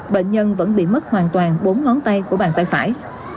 bệnh nhân vẫn bị mất hoàn toàn bốn ngón tay của bàn tay phải